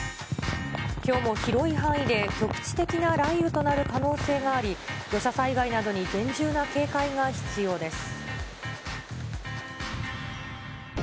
きょうも広い範囲で局地的な雷雨となる可能性があり、土砂災害などに厳重な警戒が必要です。